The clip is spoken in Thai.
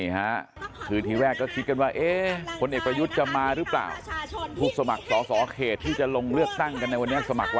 โหลูกเจ้าลูกเจ้าโหโหโห